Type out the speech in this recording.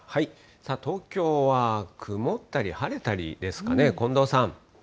東京は曇ったり晴れたりですかね。